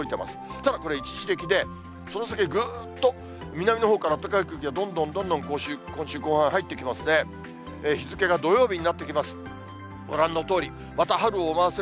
ただこれ、一時的で、その先、ぐーっと南のほうから暖かい空気がどんどんどんどん今週後半入ってきますね。